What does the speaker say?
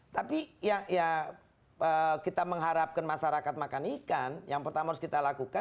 tapi ya kita mengharapkan masyarakat makan ikan yang pertama harus kita lakukan